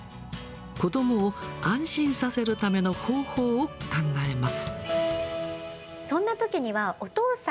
子どもを安心させるための方法を考えます。